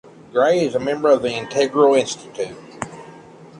Grey is a member of the Integral Institute.